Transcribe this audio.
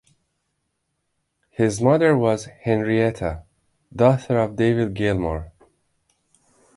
His mother was Henrietta, daughter of David Gilmour.